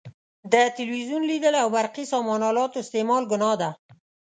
د تلویزیون لیدل او برقي سامان الاتو استعمال ګناه ده.